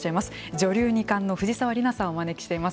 女流二冠の藤沢里菜さんをお招きしています。